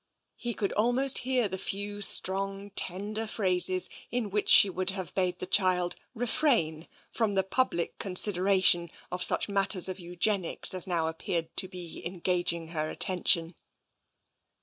He could almost hear the few strong, tender phrases in which she would have bade the child refrain from the public considera tion of such matters of eugenics as now appeared to be engaging her attention.